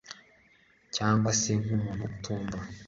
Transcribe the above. cyangwa se nk'umuntu utumva